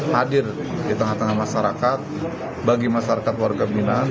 hadir di tengah tengah masyarakat bagi masyarakat warga binaan